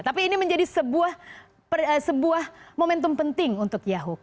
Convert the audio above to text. tapi ini menjadi sebuah momentum penting untuk yahoo